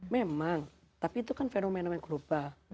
memang tapi itu kan fenomen fenomen kelubah